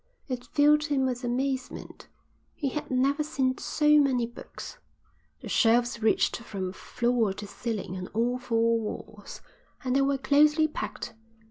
It filled him with amazement. He had never seen so many books. The shelves reached from floor to ceiling on all four walls, and they were closely packed.